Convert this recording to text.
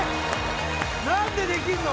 何でできるの？